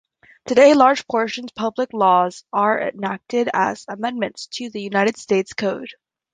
Today, large portions public laws are enacted as amendments to the United States Code.